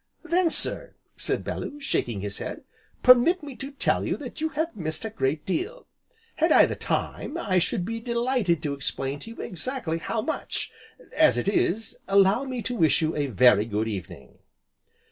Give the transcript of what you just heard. "Then sir," said Bellew, shaking his head, "permit me to tell you that you have missed a great deal. Had I the time, I should be delighted to explain to you exactly how much, as it is allow me to wish you a very good evening."